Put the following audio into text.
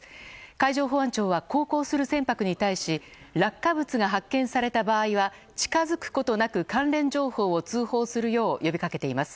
海上保安庁は航行する船舶に対し落下物が発見された場合は近づくことなく関連情報を通報するよう呼びかけています。